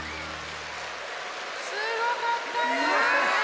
すごかったね！